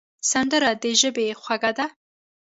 سندره د ژبې خواږه ده